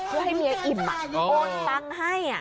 เพื่อให้เมียอิ่มโอนตังค์ให้